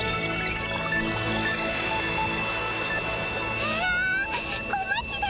うわ小町だ！